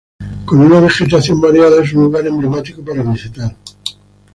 Con una vegetación variada es un lugar emblemático para visitar.